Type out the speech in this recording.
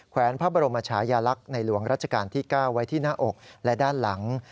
แวนพระบรมชายาลักษณ์ในหลวงรัชกาลที่๙ไว้ที่หน้าอกและด้านหลัง